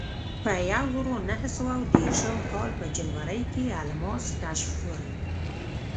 په یوه زرو نهه سوه دېرشم کال په جنورۍ کې الماس کشف شول.